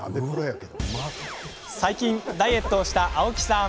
最近、ダイエットをした青木さん。